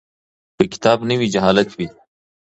که کتاب نه وي جهالت وي.